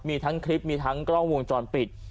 มีทั้งคลิปมีทั้งกล้องวงจรปิด